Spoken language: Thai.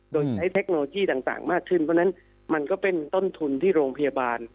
โดยใช้เทคโนโลยีต่างมากขึ้นเพราะฉะนั้นมันก็เป็นต้นทุนที่โรงพยาบาล